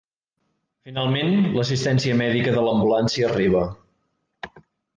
Finalment, l'assistència mèdica de l'ambulància arriba.